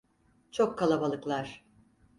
Çok kalabalıklar.